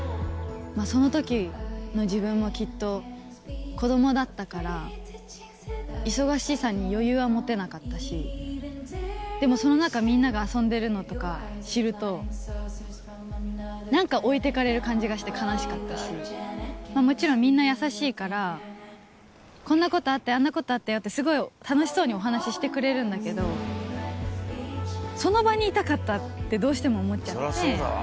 そのときの自分もきっと子どもだったから、忙しさに余裕は持てなかったし、でもその中、みんなが遊んでるのとか知ると、なんか置いてかれる感じがして、悲しかったし、もちろん、みんな優しいから、こんなことあったよ、あんなことあったよって、すごい楽しそうにお話ししてくれるんだけど、その場にいたかったって、どうしても思っちゃって。